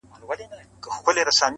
په رڼا ورځ چي په عصا د لاري څرک لټوي؛